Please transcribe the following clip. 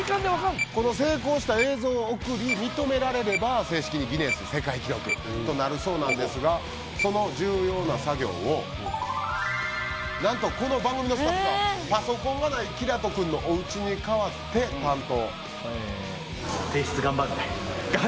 この成功した映像を送り認められれば正式にギネス世界記録となるそうなんですがその重要な作業をなんとこの番組のスタッフがパソコンがない煌人くんのおうちに代わって担当。